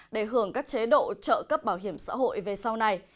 để hưởng các chế độ trợ cấp bảo hiểm xã hội về sau này